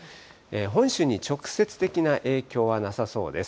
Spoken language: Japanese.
本州に直接的な影響はなさそうです。